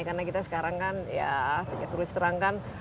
karena kita sekarang kan ya saya terus terangkan